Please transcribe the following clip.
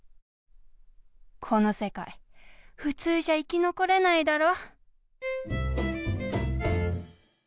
この世界ふつうじゃ生きのこれないだろ？